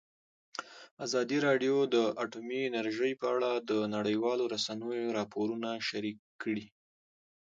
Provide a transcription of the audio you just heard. ازادي راډیو د اټومي انرژي په اړه د نړیوالو رسنیو راپورونه شریک کړي.